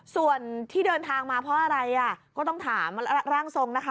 ส่วนที่เดินทางมาเพราะอะไรอ่ะก็ต้องถามร่างทรงนะคะ